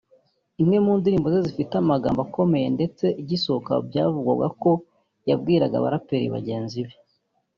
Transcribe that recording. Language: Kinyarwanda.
imwe mu ndirimbo ze zifite amagambo akomeye ndetse igisohoka byavugwaga ko yabwiraga abaraperi bagenzi be